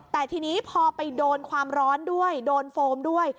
แต่ทีนี้พอไปโดนความร้อนด้วยโดนโฟมด้วย